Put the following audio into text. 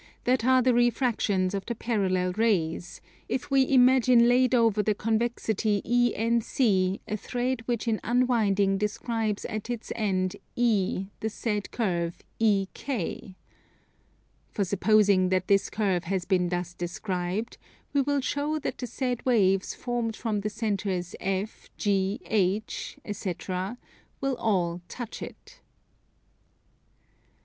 that are the refractions of the parallel rays, if we imagine laid over the convexity ENC a thread which in unwinding describes at its end E the said curve EK. For, supposing that this curve has been thus described, we will show that the said waves formed from the centres F, G, H, etc., will all touch it.